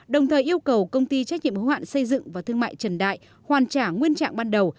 đồng thời yêu cầu công ty trách nhiệm hữu hạn xây dựng và thương mại trần đại hoàn trả nguyên trạng ban đầu